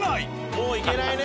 もう行けないね